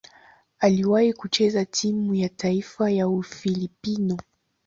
Aliwahi kucheza timu ya taifa ya Ufilipino.